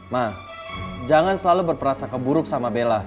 nah jangan selalu berperasa keburuk sama bella